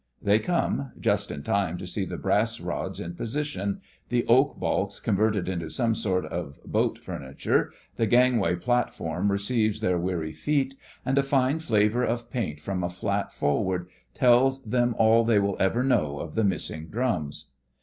They come—just in time to see the brass rods in position, the oak baulks converted into some sort of boat furniture; the gangway platform receives their weary feet, and a fine flavour of paint from a flat forward tells them all they will ever know of the missing drums.